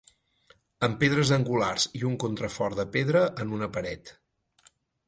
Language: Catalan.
Amb pedres angulars i un contrafort de pedra en una paret.